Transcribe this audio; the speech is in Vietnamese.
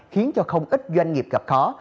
khiến cho không ít doanh nghiệp gặp khó